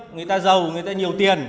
người ta giàu người ta nhiều tiền